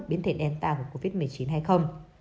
biến thể delta của covid một mươi chín hay không